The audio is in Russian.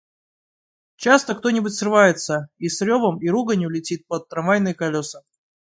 Часто кто-нибудь срывается и с ревом и руганью летит под трамвайные колеса.